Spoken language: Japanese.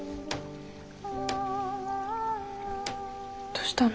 どしたの？